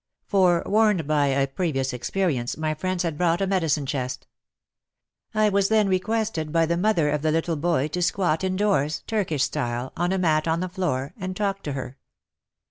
For, warned by a previous experience, my friends had brought a medicine chest. I was then requested by the mother of the little boy to squat indoors, Turkish style, on a mat on the floor, and talk to her.